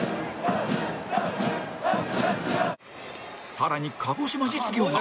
更に鹿児島実業が